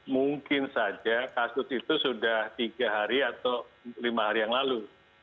mungkin saja kasus itu sudah tiga hari atau lima hari yang lalu